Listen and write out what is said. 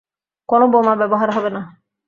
কোনো বোমা ব্যবহার হবে না।